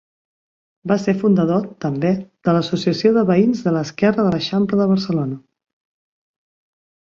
Va ser fundador, també, de l'Associació de Veïns de l'Esquerra de l'Eixample de Barcelona.